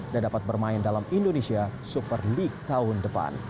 dan dapat bermain dalam indonesia super league tahun depan